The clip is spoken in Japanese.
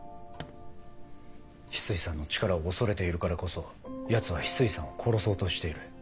翡翠さんの力を恐れているからこそヤツは翡翠さんを殺そうとしている。